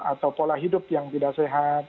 atau pola hidup yang tidak sehat